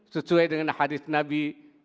sesuai dengan hadis nabi